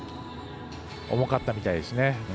重かったみたいですね。